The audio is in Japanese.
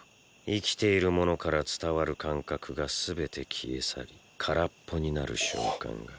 生きているものから伝わる感覚が全て消え去り空っぽになる瞬間が。